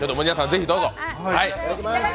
ぜひどうぞ。